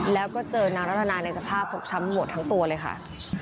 แล้วก็เจอนางรัตนาในสภาพฟกช้ำหมดทั้งตัวเลยค่ะ